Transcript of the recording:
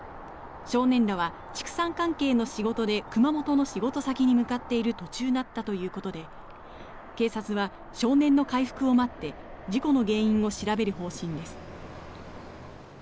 少年らは畜産関係の仕事で熊本の仕事先に向かっている途中だったということで警察は少年の回復を待って事故の原因を調べる方針です。